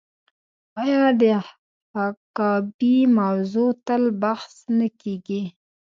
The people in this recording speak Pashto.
آیا د حقابې موضوع تل بحث نه کیږي؟